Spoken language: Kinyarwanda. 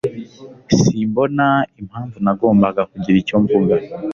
Simbona impamvu nagombaga kugira icyo mvuga.